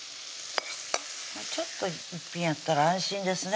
ちょっと一品あったら安心ですね